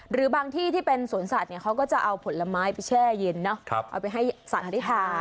หรือบางที่ที่เป็นสวนสัตว์เนี่ยเขาก็จะเอาผลไม้ไปแช่เย็นเอาไปให้สัตว์ได้ทาน